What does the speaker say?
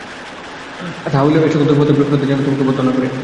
তাহা হইলেও এ-সকল দুর্বলতা ও বিফলতা যেন তোমাকে বদ্ধ না করে।